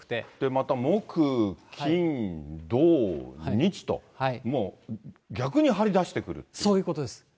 また木、金、土、日と、そういうことです。